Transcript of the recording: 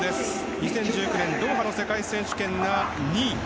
２０１９年ドーハの世界選手権で２位。